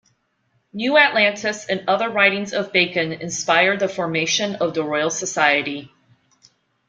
"New Atlantis" and other writings of Bacon inspired the formation of the Royal Society.